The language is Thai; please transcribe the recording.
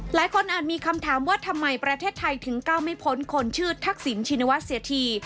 อาจมีคำถามว่าทำไมประเทศไทยถึงก้าวไม่พ้นคนชื่อทักษิณชินวัฒนเสียที